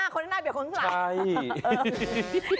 คนหน้าเบียดคนขวาง